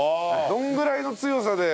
どのぐらいの強さで。